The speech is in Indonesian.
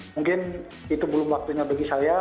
mungkin itu belum waktunya bagi saya